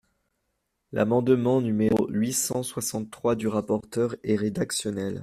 L’amendement numéro huit cent soixante-trois du rapporteur est rédactionnel.